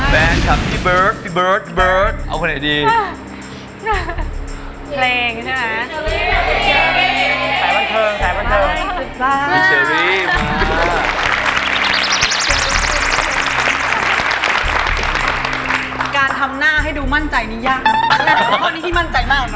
การทำหน้าให้ดูมั่นใจนี้ยากนะครับ